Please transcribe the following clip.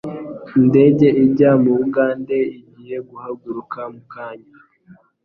Indege ijya mu bugande igiye guhaguruka mukanya.